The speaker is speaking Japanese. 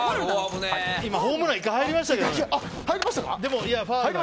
今、ホームラン１回入りましたけどね。